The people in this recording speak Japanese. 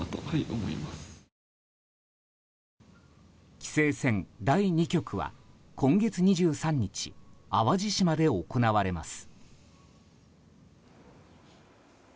棋聖戦第２局は今月２３日淡路島で行われます。